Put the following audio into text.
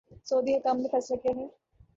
سعودی حکام نے فیصلہ کیا ہے